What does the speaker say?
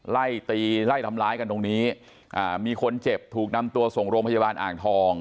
ไล่ตีไล่ทำร้ายกันตรงนี้อ่ามีคนเจ็บถูกนำตัวส่งโรงพยาบาลอ่างทอง